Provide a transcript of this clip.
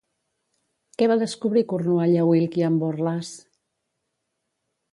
Què va descobrir Cornualla Willkiam Borlase?